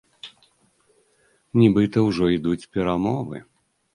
Нібыта, ужо ідуць перамовы.